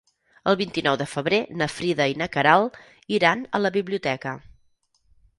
El vint-i-nou de febrer na Frida i na Queralt iran a la biblioteca.